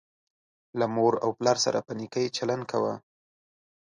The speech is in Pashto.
له مور او پلار سره په نیکۍ چلند کوه